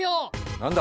何だ？